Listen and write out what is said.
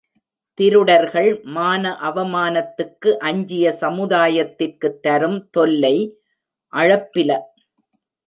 திருடர் கள் மான அவமானத்துக்கு அஞ்சிய சமுதாயத்திற்குத் தரும் தொல்லை அளப்பில.